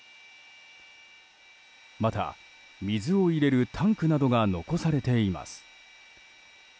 また、水を入れるタンクなどが残されています。